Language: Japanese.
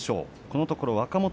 このところ若元